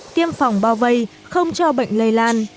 tiêm phòng bao vây không cho bệnh lây lan